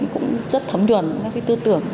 cũng rất thấm đuồn các cái tư tưởng